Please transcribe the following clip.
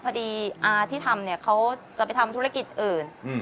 พอดีอาที่ทำเนี่ยเขาจะไปทำธุรกิจอื่น